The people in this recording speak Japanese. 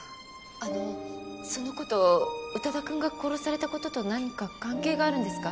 あのその事宇多田くんが殺された事と何か関係があるんですか？